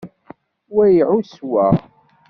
Wa iɛuss wa.